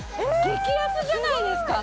激安じゃないですか